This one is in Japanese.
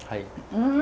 うん！